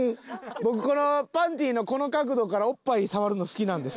僕このパンティのこの角度からおっぱい触るの好きなんです。